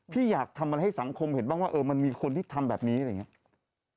พี่อยากทำอะไรให้สังคมเห็นบ้างว่ามันมีคนที่ทำแบบนี้อะไรอย่างนี้